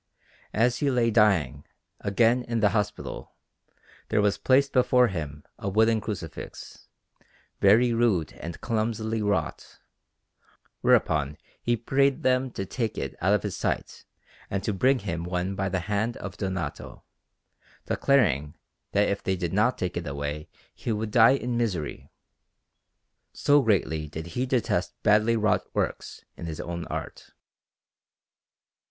As he lay dying, again in the hospital, there was placed before him a wooden Crucifix, very rude and clumsily wrought; whereupon he prayed them to take it out of his sight and to bring him one by the hand of Donato, declaring that if they did not take it away he would die in misery, so greatly did he detest badly wrought works in his own art.